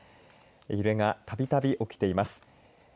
揺れが、たびたび起きています。